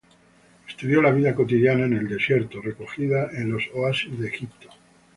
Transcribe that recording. Estudió la vida cotidiana en el desierto recogida en "Los oasis de Egipto".